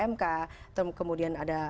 mk kemudian ada